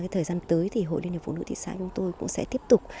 thời gian tới thì hội liên hiệp phụ nữ thị xã chúng tôi cũng sẽ tiếp tục